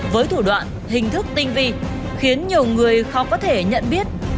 với thủ đoạn hình thức tinh vi khiến nhiều người khó có thể nhận biết